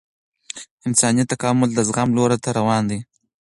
انساني تکامل د زغم لور ته روان دی